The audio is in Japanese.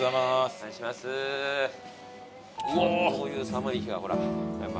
こういう寒い日はほらやっぱ。